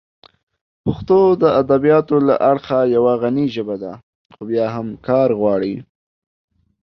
پښتو د ادبیاتو له اړخه یوه غني ژبه ده، خو بیا هم کار غواړي.